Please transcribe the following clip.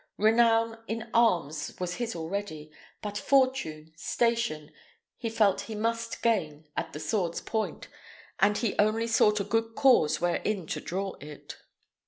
Renown in arms was his already; but fortune, station, he felt he must gain at the sword's point, and he only sought a good cause wherein to draw it.